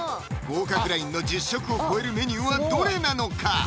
合格ラインの１０食を超えるメニューはどれなのか？